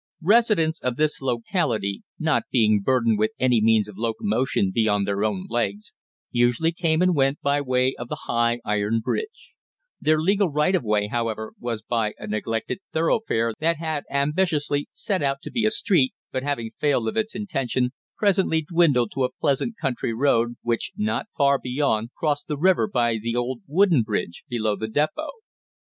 Residents of this locality, not being burdened with any means of locomotion beyond their own legs, usually came and went by way of the high iron bridge; their legal right of way however was by a neglected thoroughfare that had ambitiously set out to be a street, but having failed of its intention, presently dwindled to a pleasant country road which not far beyond crossed the river by the old wooden bridge below the depot.